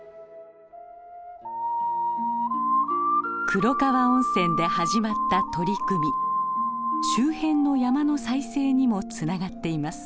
黒川温泉で始まった取り組み周辺の山の再生にもつながっています。